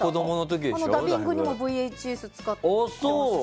ダビングにもＶＨＳ使ってましたし。